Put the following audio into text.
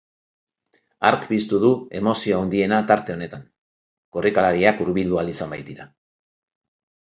Hark piztu du emozio handiena tarte honetan, korrikalariak hurbildu ahal izan baitira.